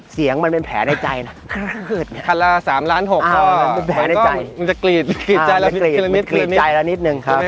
เสียงมันเป็นแผลในใจนะคันละ๓๖ล้านก็มันจะกรีดใจละนิด